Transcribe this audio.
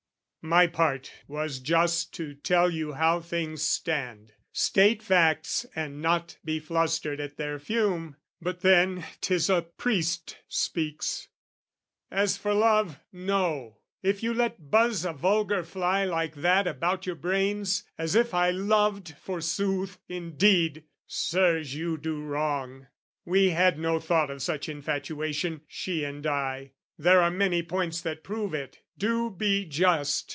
My part was just to tell you how things stand, State facts and not be flustered at their fume. But then 'tis a priest speaks: as for love, no! If you let buzz a vulgar fly like that About your brains, as if I loved, forsooth, Indeed, Sirs, you do wrong! We had no thought Of such infatuation, she and I: There are many points that prove it: do be just!